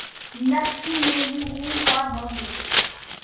Natsu no Yoru wa Danger!